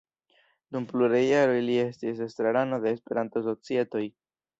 Dum pluraj jaroj li estis estrarano de Esperanto-societoj.